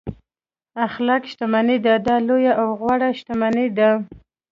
اخلاق شتمني ده دا لویه او غوره شتمني ده.